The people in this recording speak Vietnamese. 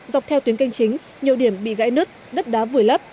dọc theo tuyến canh chính nhiều điểm bị gãy nứt đất đá vùi lấp